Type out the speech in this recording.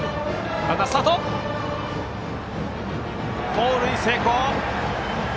盗塁成功。